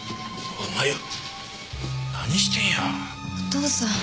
お父さん。